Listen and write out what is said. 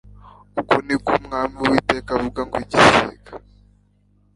uku ni ko umwami uwiteka avuga ngo igisiga